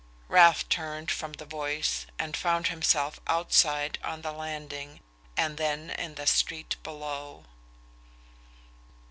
Ralph turned from the voice, and found himself outside on the landing, and then in the street below.